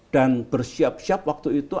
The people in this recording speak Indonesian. dan bersiap siap waktu itu